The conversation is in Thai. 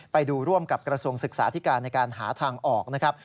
ไปดูร่วมกับกระทรวงศึกษาธิการในการหาทางออกนะครับ